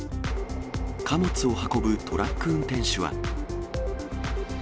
貨物を運ぶトラック運転手は。